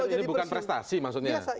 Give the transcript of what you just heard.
ini bukan prestasi maksudnya